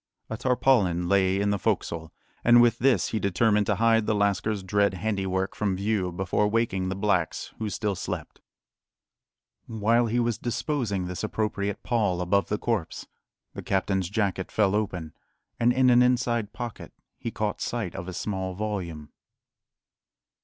A tarpaulin lay in the "fo'csle," and with this he determined to hide the lascar's dread handiwork from view before waking the blacks, who still slept. While he was disposing this appropriate pall above the corpse, the captain's jacket fell open, and in an inside pocket he caught sight of a small volume.